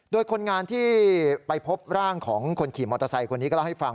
โดยคนงานที่ไปพบร่างของคนขี่มอเตอร์ไซค์คนนี้ก็เล่าให้ฟัง